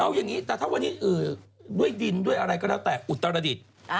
เอาอย่างนี้แต่ถ้าวันนี้ด้วยดินด้วยอะไรก็แล้วแต่อุตรดิษฐ์